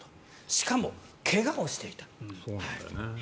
しかも怪我をしていた。